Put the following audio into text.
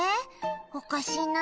おかしいな」